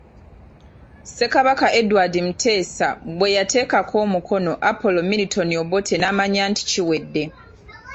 Ssekabaka Edward Muteesa bweyateekako omukono Apollo Milton Obote n'amanya nti kiwedde.